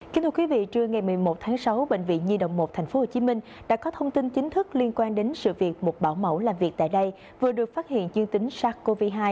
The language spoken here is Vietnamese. kính thưa quý vị trưa ngày một mươi một tháng sáu bệnh viện nhi đồng một tp hcm đã có thông tin chính thức liên quan đến sự việc một bảo mẫu làm việc tại đây vừa được phát hiện dương tính sars cov hai